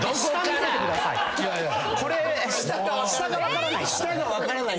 これ下が分からない。